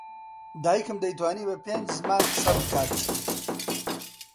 دایکم دەیتوانی بە پێنج زمان قسە بکات.